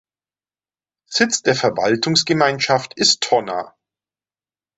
Sitz der Verwaltungsgemeinschaft ist Tonna.